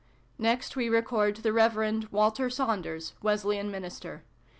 Next we record the Rev. Walter Saunders, Wesley an Minister.